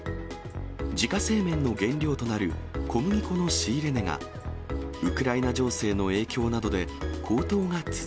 自家製麺の原料となる小麦粉の仕入れ値が、ウクライナ情勢の影響